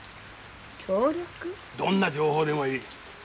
どんな情報でもいい。